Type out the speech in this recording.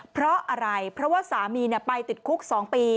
เพราะอะไรเพราะว่าสามีไปติดคุก๒ปี